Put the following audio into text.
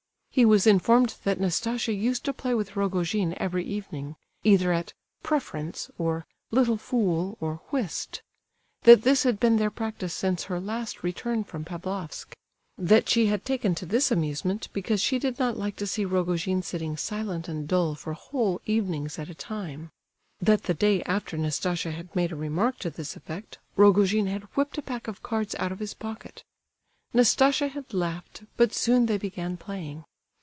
He was informed that Nastasia used to play with Rogojin every evening, either at "preference" or "little fool," or "whist"; that this had been their practice since her last return from Pavlofsk; that she had taken to this amusement because she did not like to see Rogojin sitting silent and dull for whole evenings at a time; that the day after Nastasia had made a remark to this effect, Rogojin had whipped a pack of cards out of his pocket. Nastasia had laughed, but soon they began playing.